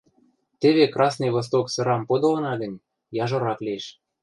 — Теве «Красный восток» сырам подылына гӹнь, яжорак лиэш.